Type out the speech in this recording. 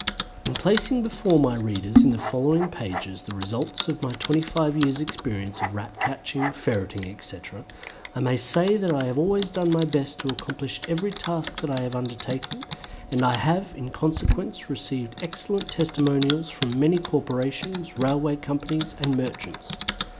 In placing before my readers in the following pages the results of my twenty five years' experience of Rat catching, Ferreting, etc., I may say that I have always done my best to accomplish every task that I have undertaken, and I have in consequence received excellent testimonials from many corporations, railway companies, and merchants.